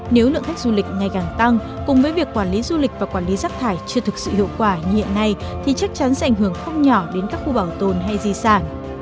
nếu lượng khách du lịch ngày càng tăng cùng với việc quản lý du lịch và quản lý rác thải chưa thực sự hiệu quả như hiện nay thì chắc chắn sẽ ảnh hưởng không nhỏ đến các khu bảo tồn hay di sản